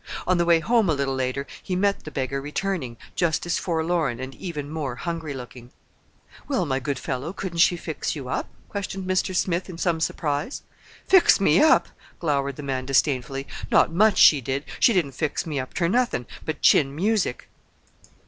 On the way home a little later he met the beggar returning, just as forlorn, and even more hungry looking. "Well, my good fellow, couldn't she fix you up?" questioned Mr. Smith in some surprise. "Fix me up!" glowered the man disdainfully. "Not much she did! She didn't fix me up ter nothin'—but chin music!"